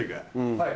はい。